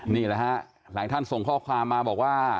นี่แหละฮะหลายท่านส่งข้อความมาบอกว่า